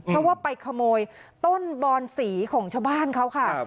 เพราะว่าไปขโมยต้นบอนสีของชาวบ้านเขาค่ะ